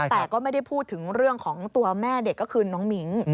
แต่ก็ไม่ได้พูดถึงเรื่องของตัวแม่เด็กก็คือน้องมิ้ง